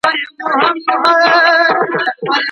صندلي بې سکرو نه ګرمیږي.